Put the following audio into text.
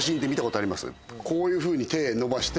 こういうふうに手伸ばして。